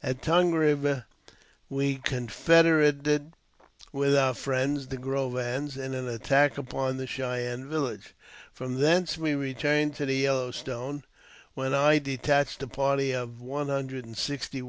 At Tongue Eiver we confederated with our friends, the Grovans, in an attack upon the Cheyenne village ; from thence we returned to the Yellow ; Stone, when I detached a party of one hundred and sixty